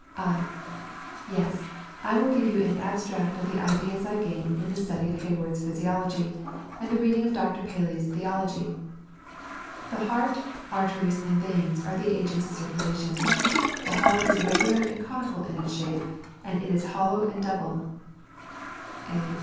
I. Yes. I will give you an abstract of the ideas I gained in the study of Hayward's Physiology, and the reading of Dr. Paley's Theology. The heart, arteries, and veins are the agents of circulation. The heart is irregular and conical in its shape; and it is hollow and double.